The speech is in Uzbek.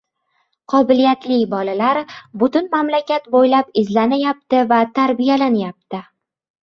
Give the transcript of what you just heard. Qobiliyatli bolalar butun mamlakat boʻylab izlanayapti va tarbiyalanayapti.